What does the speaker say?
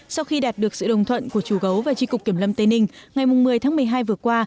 sau khi đạt được sự đồng thuận của chủ gấu và tri cục kiểm lâm tây ninh ngày một mươi tháng một mươi hai vừa qua